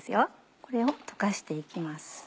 これを溶かして行きます。